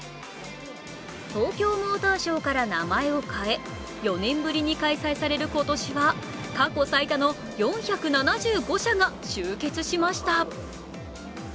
東京モーターショーから名前を変え４年ぶりに開催される今年は過去最多の４７５社が集結しました。